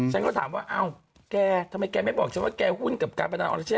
ฉันก็ถามว่าอ้าวแกทำไมแกไม่บอกฉันว่าแกหุ้นกับการพนันออรเชษ